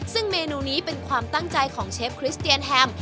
ซึ่งเมนูนี้เป็นความตั้งใจของเชฟคริสเตียนแฮม